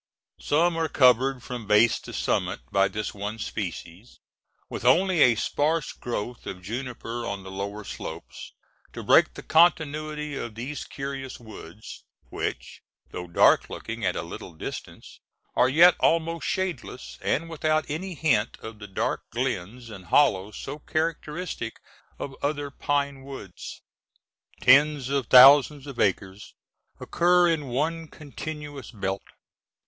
Some are covered from base to summit by this one species, with only a sparse growth of juniper on the lower slopes to break the continuity of these curious woods, which, though dark looking at a little distance, are yet almost shadeless, and without any hint of the dark glens and hollows so characteristic of other pine woods. Tens of thousands of acres occur in one continuous belt.